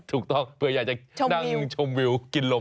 ถูกต้องเผื่ออยากจะนั่งชมวิวกินลม